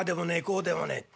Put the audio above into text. こうでもねえ。